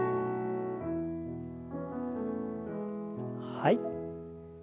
はい。